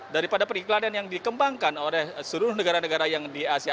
daripada periklanan yang dikembangkan oleh seluruh negara negara yang di asia